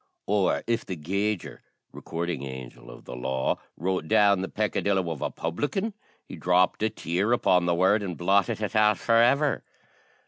Or if the gauger recording angel of the law wrote down the peccadillo of a publican, he dropped a tear upon the word, and blotted it out for ever!